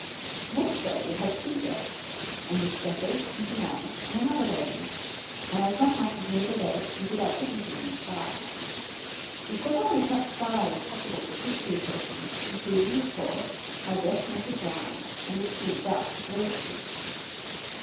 Next day we had two guests, a Miss Sheppard, from Geelong, and another lady, and as my house was near the lake, we did our picnicking inside. We put on as much style as possible to suit the occasion, including, of course, my best native wine, and the two ducks roasted.